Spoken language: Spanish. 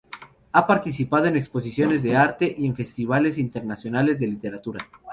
Ha participado en exposiciones de arte y en festivales internacionales de literatura.